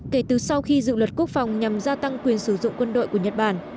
kể từ sau khi dự luật quốc phòng nhằm gia tăng quyền sử dụng quân đội của nhật bản